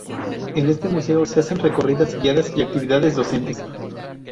En este museo se hacen recorridas guiadas y actividades docentes.